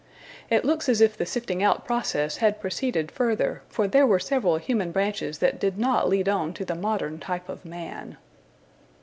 It looks as if the sifting out process had proceeded further, for there were several human branches that did not lead on to the modern type of man.